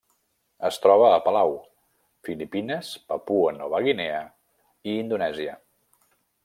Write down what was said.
Es troba a Palau, Filipines, Papua Nova Guinea i Indonèsia.